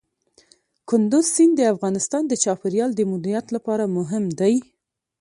کندز سیند د افغانستان د چاپیریال د مدیریت لپاره مهم دی.